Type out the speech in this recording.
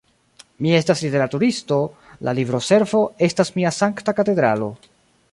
Mi estas literaturisto, la libroservo estas mia sankta katedralo.